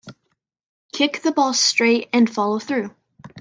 Kick the ball straight and follow through.